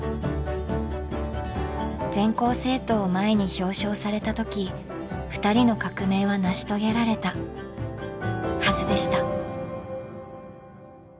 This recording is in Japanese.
全校生徒を前に表彰された時ふたりの革命は成し遂げられたはずでした。